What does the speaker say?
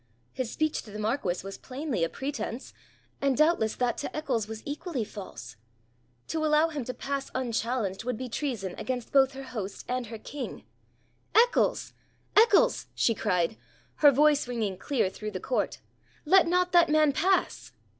His speech to the marquis was plainly a pretence, and doubtless that to Eccles was equally false. To allow him to pass unchallenged would be treason against both her host and her king. 'Eccles! Eccles!' she cried, her voice ringing clear through the court, 'let not that man pass.'